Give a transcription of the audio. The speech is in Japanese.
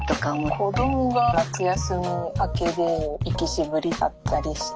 子どもが夏休み明けで行き渋りだったりして。